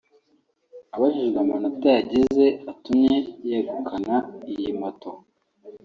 Abajijwe amanota yagize atumye yegukana iyi moto